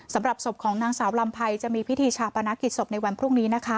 สำหรับศพของนางสาวลำไพรจะมีพิธีชาปนกิจศพในวันพรุ่งนี้นะคะ